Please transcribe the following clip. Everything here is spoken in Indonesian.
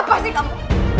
apa sih kamu